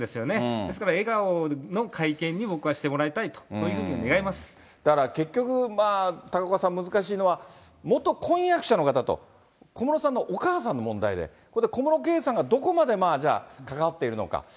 ですから、笑顔の会見に、僕はしてもらいたいと、そういうふうにだから結局、高岡さん、難しいのは、元婚約者の方と、小室さんのお母さんの問題で、これ、小室圭さんがどこまで関わっているのか。